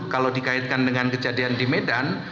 kalau dikaitkan dengan kejadian di medan